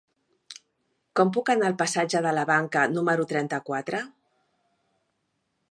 Com puc anar al passatge de la Banca número trenta-quatre?